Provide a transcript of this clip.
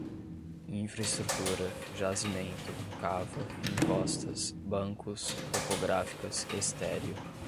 infra-estrutura, jazimento, cava, encostas, bancos, topográficas, estéril